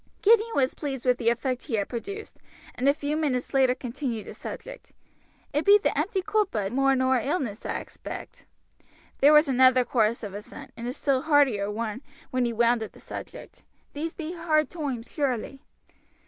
Gideon was pleased with the effect he had produced, and a few minutes later continued the subject. "It be the empty coopbud more nor illness, I expect." There was another chorus of assent, and a still heartier one when he wound up the subject: "These be hard toimes surely."